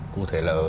cụ thể là